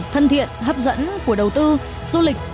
thân thiện hấp dẫn của đầu tư du lịch